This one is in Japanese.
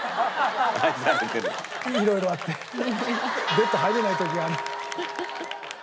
ベッドに入れない時がある。